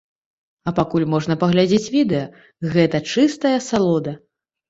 А пакуль можна паглядзець відэа, гэта чыстая асалода.